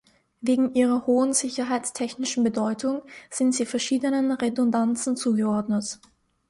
Wegen ihrer hohen sicherheitstechnischen Bedeutung sind sie verschiedenen Redundanzen zugeordnet.